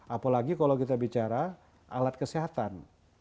apalagi kalau kita bicara alat kesehatan